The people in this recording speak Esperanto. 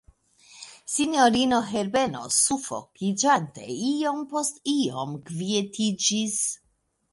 Sinjorino Herbeno sufokiĝante iom post iom kvietiĝis.